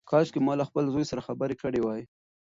کاشکي ما له خپل زوی سره خبرې کړې وای.